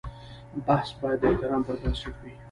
بحث باید د احترام پر بنسټ وي.